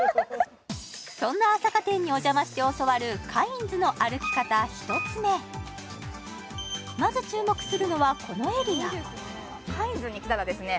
そんな朝霞店にお邪魔して教わるカインズの歩き方１つ目まず注目するのはこのエリアカインズに来たらですね